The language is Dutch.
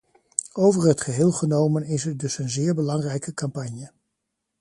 Over het geheel genomen is het dus een zeer belangrijke campagne.